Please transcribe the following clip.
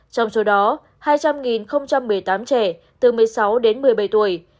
trong số đó hai trăm linh một mươi tám trẻ từ một mươi sáu đến một mươi bảy tuổi